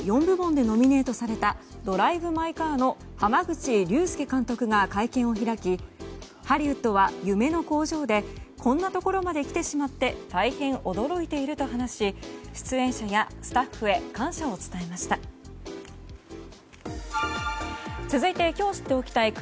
４部門でノミネートされた「ドライブ・マイ・カー」の濱口竜介監督が会見を開きハリウッドは夢の工場でこんなところまで来てしまって大変驚いていると話し出演者やスタッフへ感謝を伝えました。